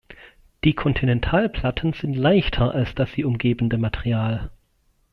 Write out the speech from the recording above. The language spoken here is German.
Die Kontinentalplatten sind leichter als das sie umgebende Material.